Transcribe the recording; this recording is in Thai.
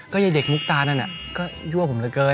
ก็ยายเด็กมุตตานั่นก็ยั่วผมลึกเกิน